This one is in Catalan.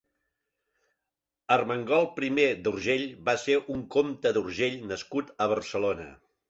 Ermengol primer d'Urgell va ser un comte d'Urgell nascut a Barcelona.